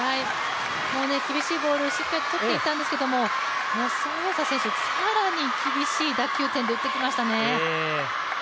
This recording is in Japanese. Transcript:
厳しいボールしっかり取っていったんですけど、孫エイ莎選手、更に厳しい打球点で打ってきましたね。